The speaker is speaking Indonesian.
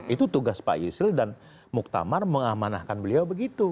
itu tugas pak yusril dan muktamar mengamanahkan beliau begitu